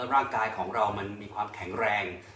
ร่างกายของเรามันมีความแข็งแรง